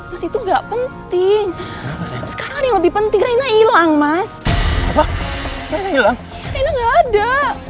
mas itu gak penting sekarang yang lebih penting reina ilang mas apa reina ilang reina gak ada